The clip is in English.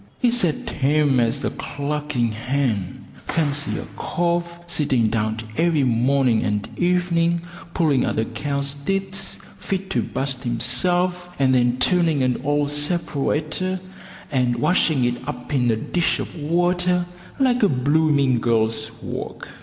It's as tame as a clucking hen. Fancy a cove sitting down every morning and evening pulling at a cow's tits fit to bust himself, and then turning an old separator, and washing it up in a dish of water like a blooming girl's work.